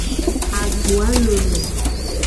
Agboa lolo.